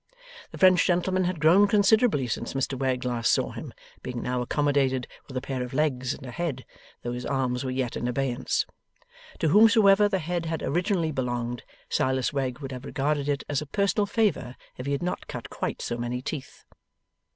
The French gentleman had grown considerably since Mr Wegg last saw him, being now accommodated with a pair of legs and a head, though his arms were yet in abeyance. To whomsoever the head had originally belonged, Silas Wegg would have regarded it as a personal favour if he had not cut quite so many teeth.